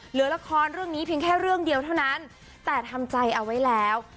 เหลือละครเรื่องนี้เพียงแค่เรื่องเดียวเท่านั้นแต่ทำใจเอาไว้แล้ว